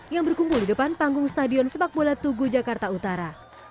yang berkumpul di depan panggung stadion sepak bola tugu jakarta utara